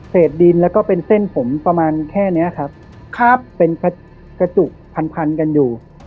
ดินแล้วก็เป็นเส้นผมประมาณแค่เนี้ยครับคาบเป็นกระจุกพันพันกันอยู่